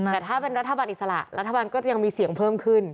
แต่ถ้าเป็นรัฐบาลอิสระรัฐบาลก็จะยังมีเสียงเพิ่มขึ้น